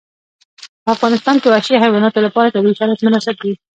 په افغانستان کې وحشي حیواناتو لپاره طبیعي شرایط مناسب دي.